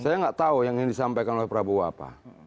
saya nggak tahu yang ingin disampaikan oleh prabowo apa